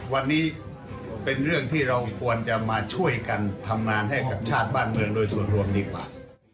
วันนี้เป็นเรื่องที่เราควรจะมาช่วยกันทำงานให้กับชาติบ้านเมืองโดยส่วนรวมดีกว่า